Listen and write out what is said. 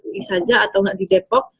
ui saja atau nggak di depok